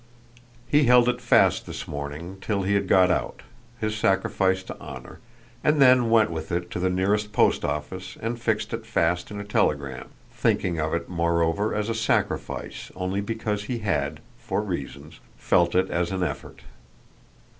He held it fast this morning till he had got out, his sacrifice to honour, and then went with it to the nearest post office and fixed it fast in a telegram; thinking of it moreover as a sacrifice only because he had, for reasons, felt it as an effort.